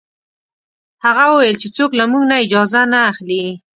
هغه وویل چې څوک له موږ نه اجازه نه اخلي.